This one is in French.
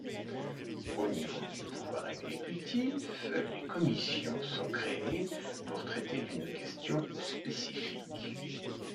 Au niveau du pouvoir exécutif, les commissions sont créées pour traiter d'une question spécifique.